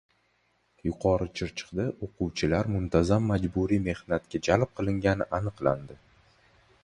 Yuqori Chirchiqda o‘quvchilar muntazam majburiy mehnatga jalb qilingani aniqlandi